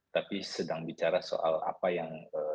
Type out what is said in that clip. tapi sedang bicara soal apa yang